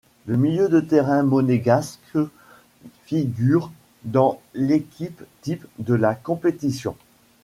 Le milieu de terrain monégasque figure dans l'équipe type de la compétition.